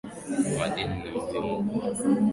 Madini ni muhimu kwa mwili